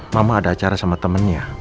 mama ada acara sama temennya